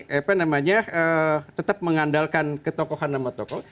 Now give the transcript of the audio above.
jadi ini memang tetap mengandalkan ketokohan sama tokoh